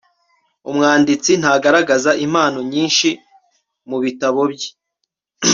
umwanditsi ntagaragaza impano nyinshi mubitabo bye